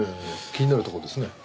気になるとこですね。